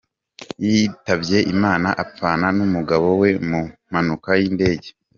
yitabye Imana apfana n’umugabo we mu mpanuka y’indege.